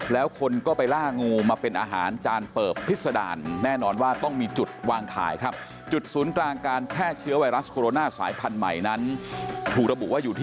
แล้วคนก็ไปล่างูมาเป็นอาหารจานเปิบพิษดารแน่นอนว่าต้องมีจุดวางขายครับ